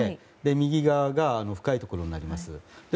右側が深いところになります。